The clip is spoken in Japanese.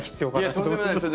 いやとんでもないです。